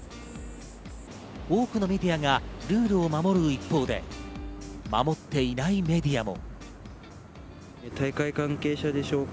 多くのメディアがルールを守る一方で、守っていないメディアも。